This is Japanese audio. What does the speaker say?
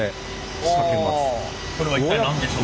それは一体何でしょう？